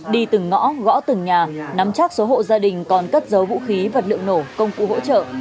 đi từng ngõ gõ từng nhà nắm chắc số hộ gia đình còn cất giấu vũ khí vật liệu nổ công cụ hỗ trợ